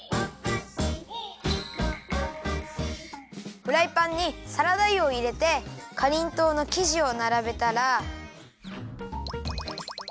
フライパンにサラダ油をいれてかりんとうのきじをならべたら。